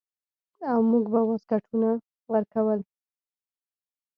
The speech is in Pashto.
او موږ به واسکټونه ورکول.